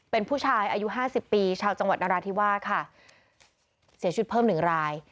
เป็นผู้ชายอายุห้าสิบปีชาวจังหวัดนราธิวาสค่ะเสียชีวิตเพิ่มหนึ่งราย